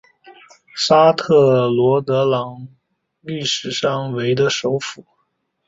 沙泰洛德朗历史上为的首府。